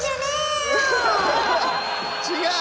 違う？